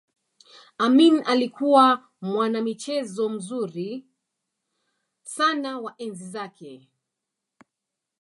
Amin alikuwa mwanamichezo mzuri sana wa enzi zake